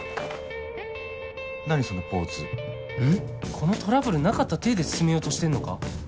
このトラブルなかった体で進めようとしてんのか？